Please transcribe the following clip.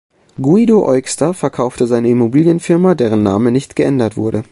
Guido Eugster verkaufte seine Immobilienfirma, deren Namen nicht geändert wurde.